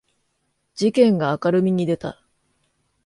事件が明るみに出た